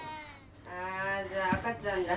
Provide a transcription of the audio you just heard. ああじゃあ赤ちゃんだ。